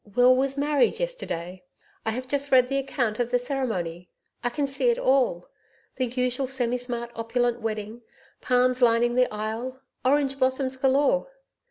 'Will was married yesterday. I have just read the account of the ceremony I can see it all the usual semi smart opulent wedding palms lining the aisle, Orange blossom galore.